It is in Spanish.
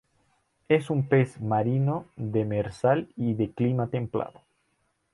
Es un pez marino, demersal y de clima templado.